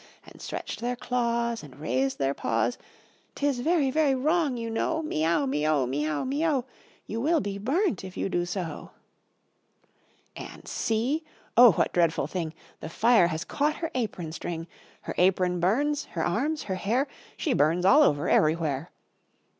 And stretched their claws, And raised their paws: "'Tis very, very wrong, you know, Me ow, me o, me ow, me o, You will be burnt, if you do so." And see! oh, what dreadful thing! The fire has caught her apron string; Her apron burns, her arms, her hair She burns all over everywhere.